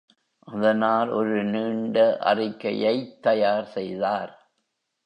அதனால் ஒரு நீண்ட அறிக்கைத் தயார் செய்தார்.